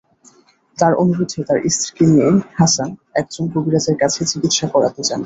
তাঁর অনুরোধে তাঁর স্ত্রীকে নিয়ে হাসান একজন কবিরাজের কাছে চিকিৎসা করাতে যান।